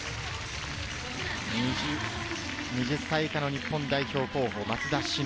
２０歳以下の日本代表候補、松田紫野。